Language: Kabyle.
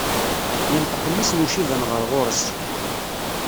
Yenṭeq mmi-s n uciban ɣer ɣur-s.